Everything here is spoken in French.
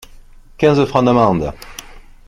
Quinze francs d’amende!